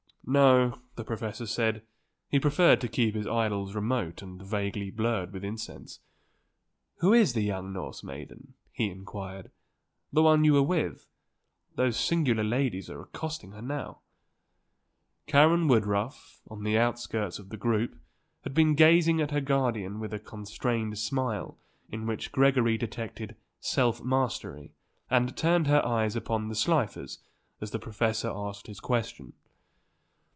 No, the professor said, he preferred to keep his idols remote and vaguely blurred with incense. "Who is the young Norse maiden?" he inquired; "the one you were with. Those singular ladies are accosting her now." Karen Woodruff, on the outskirts of the group, had been gazing at her guardian with a constrained smile in which Gregory detected self mastery, and turned her eyes upon the Slifers as the professor asked his question.